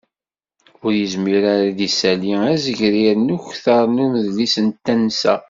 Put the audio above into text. Ur yezmir ara ad d-isali azegrir n ukter n imedlis n tensa.